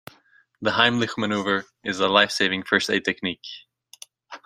The Heimlich manoeuvre is a lifesaving first aid technique.